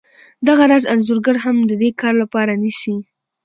دغه راز انځورګر هم د دې کار لپاره نیسي